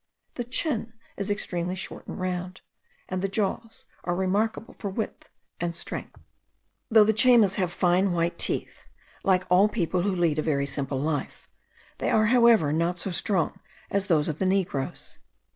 The chin is extremely short and round; and the jaws are remarkable for strength and width. Though the Chaymas have fine white teeth, like all people who lead a very simple life, they are, however, not so strong as those of the Negroes.